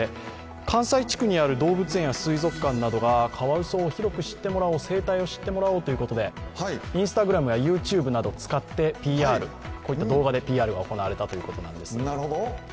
関西地区にある動物園や水族館などがカワウソを広く知ってもらおう、生態を知ってもらおうということでＩｎｓｔａｇｒａｍやＹｏｕＴｕｂｅなどを使ってこういった動画でＰＲが行われたということなんです。